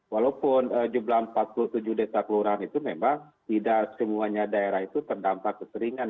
walaupun jumlah empat puluh tujuh desa kelurahan itu memang tidak semuanya daerah itu terdampak keseringan